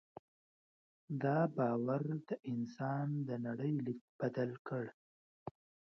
دا باور د انسان د نړۍ لید بدل کړ.